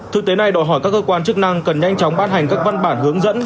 thực tế này đòi hỏi các cơ quan chức năng cần nhanh chóng ban hành các văn bản hướng dẫn